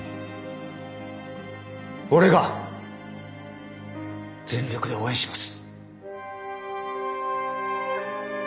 俺が全力で応援します。